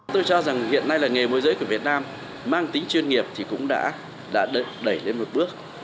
tôi cho rằng hiện nay là nghề môi giới của việt nam mang tính chuyên nghiệp thì cũng đã đẩy lên một bước